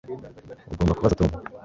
Ugomba kubaza Tom